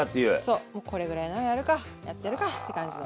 そうもうこれぐらいならやるかやってやるかって感じの。